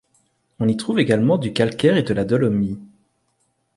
On y trouve également du calcaire et de la dolomie.